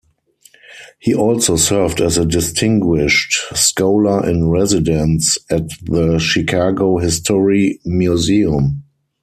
He also served as a distinguished scholar-in-residence at the Chicago History Museum.